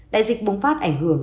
đại dịch bùng phát ảnh hưởng